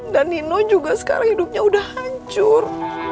dan nino juga sekarang hidupnya udah hancur